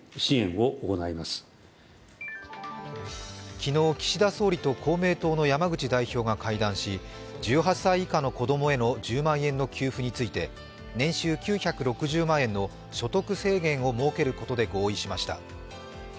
昨日、岸田総理と公明党の山口代表が会談し１８歳以下の子供への１０万円の給付について年収９６０万円の所得制限を設けることで合意しました。